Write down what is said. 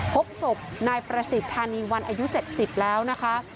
พบศพนายประสิทธิ์ธานีวันอายุ๗๐แล้วนะคะ